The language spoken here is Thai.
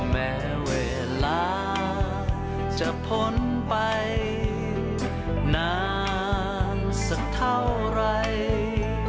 แม้เวลาจะพ้นไปนานสักเท่าไร